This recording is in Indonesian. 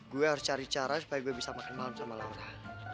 gue harus cari cara supaya gue bisa makan malam sama laura